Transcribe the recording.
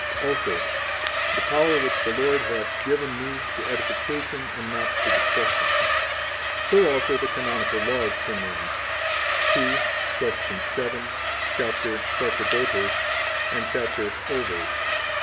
26 Also: The power which the Lord hath given me to edification, and not to destruction. 27 So, also, the Canonical Laws command (II. Q. VII. Cap., Sacerdotes, and Cap. Oves).